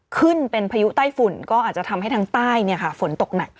ขึ้นเป็นพายุใต้ฝุ่นก็อาจจะทำให้ทางใต้ฝนตกหนัก